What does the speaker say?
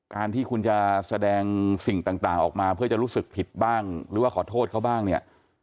การที่คุณจะแสดงสิ่งต่างออกมาเพื่อจะรู้สึกผิดบ้างหรือว่าขอโทษเขาบ้างเนี่ย